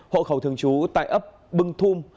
hộ khẩu thường chú tại ấp bưng thum